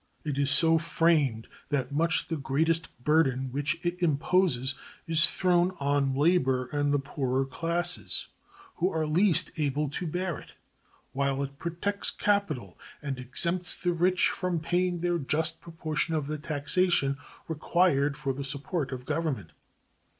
It is so framed that much the greatest burden which it imposes is thrown on labor and the poorer classes, who are least able to bear it, while it protects capital and exempts the rich from paying their just proportion of the taxation required for the support of Government.